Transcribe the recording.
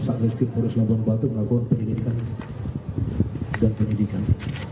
saat respon kurus nabung batu melakukan penyelidikan dan penyelidikan